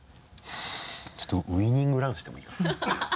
ちょっとウイニングランしてもいいかな？